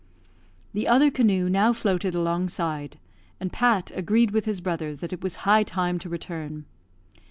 The other canoe now floated alongside, and Pat agreed with his brother that it was high time to return.